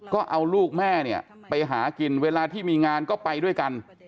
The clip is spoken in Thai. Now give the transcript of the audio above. ก็เอาลูกแม่เนี่ยไปหากินเวลาที่มีงานก็ไปด้วยกัน